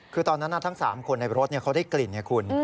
คือตอนนั้นทั้ง๓คนในรถเขาได้กลิ่นไงคุณ